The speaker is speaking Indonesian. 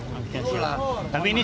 tapi ini sudah diizinkan pak